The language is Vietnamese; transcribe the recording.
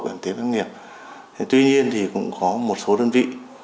bản tiến doanh nghiệp tuy nhiên thì cũng có một số đơn vị